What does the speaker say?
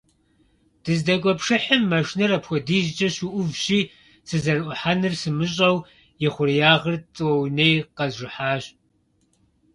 Дыздэкӏуэ пшыхьым машинэр апхуэдизкӏэ щыӏувщи, сызэрыӏухьэнур сымыщӏэу, и хъуреягъыр тӏэуней къэзжыхьащ.